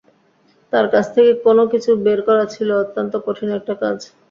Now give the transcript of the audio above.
তাঁর কাছ থেকে কোনো কিছু বের করা ছিল অত্যন্ত কঠিন একটা কাজ।